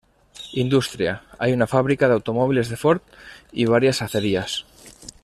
Industria: hay una fábrica de automóviles de Ford y varias acerías.